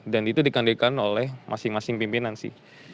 dan itu dikandilkan oleh masing masing pimpinan sih